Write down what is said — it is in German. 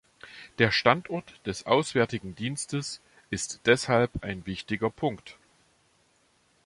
Der Standort des Auswärtigen Dienstes ist deshalb ein wichtiger Punkt.